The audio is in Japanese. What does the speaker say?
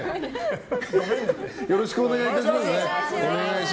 よろしくお願いいたしますね。